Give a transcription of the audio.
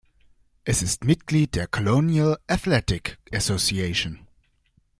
Es ist Mitglied der Colonial Athletic Association.